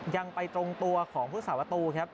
ยังไปตรงตัวของภูษาวัตูครับ